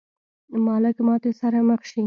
مالک ماتې سره مخ شي.